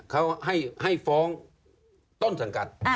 เขาให้ฟ้องต้นสังกัด